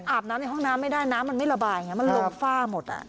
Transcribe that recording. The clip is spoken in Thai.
อาบน้ำในห้องน้ำไม่ได้น้ำมันไม่ระบายไงมันลงฝ้าหมด